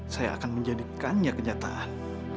saya akan menjadikannya kenyataan